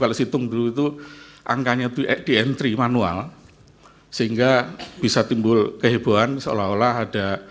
kalau situng dulu itu angkanya di entry manual sehingga bisa timbul kehebohan seolah olah ada